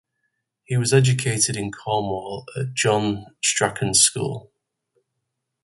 He was educated in Cornwall at John Strachan's school.